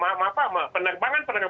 bukan persoalan penyelenggaraan ibadah haji